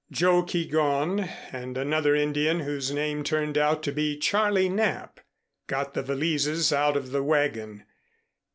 Joe Keegón and another Indian, whose name turned out to be Charlie Knapp, got the valises out of the wagon.